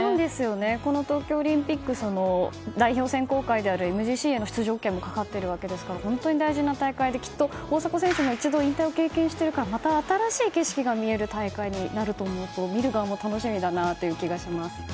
この東京オリンピック代表選考会であるＭＧＣへの出場権もかかっているわけですから本当に大事な大会で大迫選手も一度引退を経験しているからまた新しい景色が見れる大会になると思うと見る側も楽しみだなという気がします。